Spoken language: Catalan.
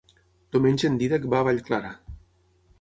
Diumenge en Dídac va a Vallclara.